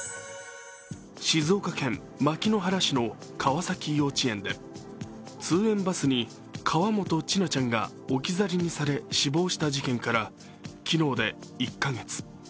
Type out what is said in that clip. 静岡県牧之原市の川崎幼稚園で通園バスに河本千奈ちゃんが置き去りにされ死亡した事件から昨日で１か月。